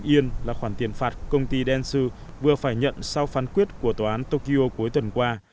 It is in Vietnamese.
năm trăm linh yen là khoản tiền phạt công ty densu vừa phải nhận sau phán quyết của tòa án tokyo cuối tuần qua